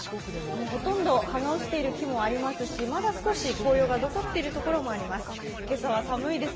ほとんど葉が落ちている木もありますしまだ少し紅葉が残っているところもあります。